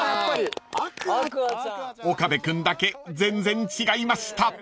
［岡部君だけ全然違いました］